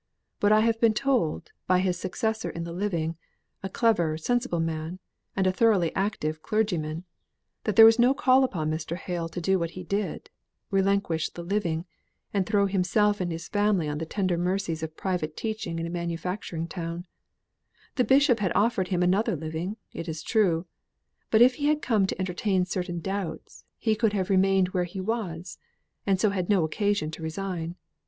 But I have been told, by his successor in the living a clever sensible man, and a thoroughly active clergyman that there was no call upon Mr. Hale to do what he did, relinquish the living, and throw himself and his family on the tender mercies of private teaching in a manufacturing town; the bishop had offered him another living, it is true, but if he had come to entertain certain doubts, he could have remained where he was, and so had no occasion to resign.